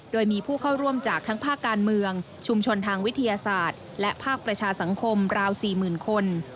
โดยมีผู้เข้าร่วมจากทั้งภาคการเมืองชุมชนทางวิทยาศาสตร์และภาคประชาสังคมราว๔๐๐๐คน